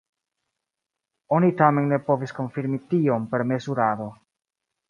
Oni tamen ne povis konfirmi tion per mezurado.